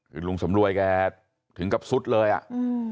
คือลุงสำรวยแกถึงกับสุดเลยอ่ะอืม